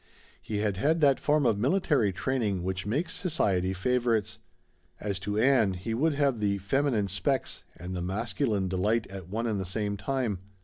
He had had that form of military training which makes society favorites. As to Ann, he would have the feminine "specs" and the masculine delight at one and the same time.